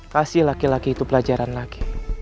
kasih laki laki itu pelajaran lagi